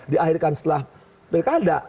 diakhirkan setelah pilkada